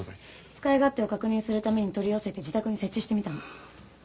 使い勝手を確認するために取り寄せて自宅に設置してみたの。